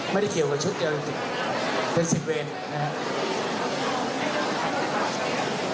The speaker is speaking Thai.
ไม่ได้เกี่ยวกับชุดจะเป็นสิบเวนนะครับ